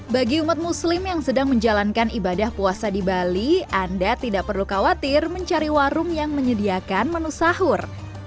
bagi umat muslim yang sedang menjalankan ibadah puasa di bali anda tidak perlu khawatir mencari warung yang menyediakan menu sahur